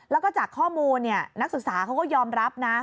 แล้วก็จากข้อมูลนักศึกษาเขาก็ยอมรับนะ